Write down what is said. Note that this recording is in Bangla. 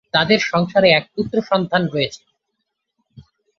তাদের সংসারে এক পুত্র সন্তান রয়েছে।